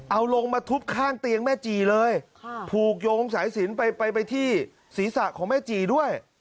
เอาลงมาทุบข้างเตียงแม่จีเลยผูกโยงสายสินไปไปที่ศีรษะของแม่จีด้วย